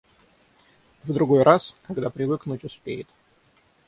В другой раз, когда привыкнуть успеет.